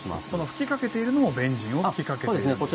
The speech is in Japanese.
吹きかけているのもベンジンを吹きかけているんですね。